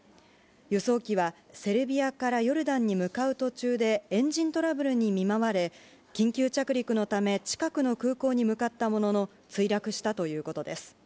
輸送機はセルビアからヨルダンに向かう途中でエンジントラブルに見舞われ、緊急着陸のため、近くの空港に向かったものの、墜落したということです。